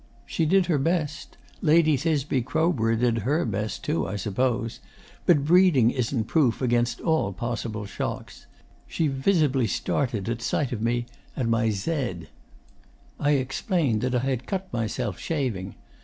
She did her best.... Lady Thisbe Crowborough did her best, too, I suppose; but breeding isn't proof against all possible shocks: she visibly started at sight of me and my Z. I explained that I had cut myself shaving.